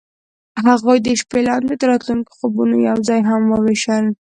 هغوی د شپه لاندې د راتلونکي خوبونه یوځای هم وویشل.